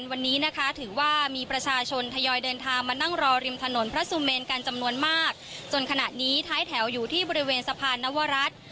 วันนี้นะคะถือว่ามีประชาชนทยอยเดินทางมานั่งรอริมถนนพระสุเมนกันจำนวนมากจนขณะนี้ท้ายแถวอยู่ที่บริเวณสะพานนวรัฐ